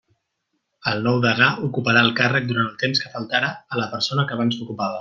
El nou degà ocuparà el càrrec durant el temps que faltara a la persona que abans l'ocupava.